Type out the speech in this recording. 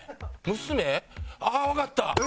娘？あっわかった。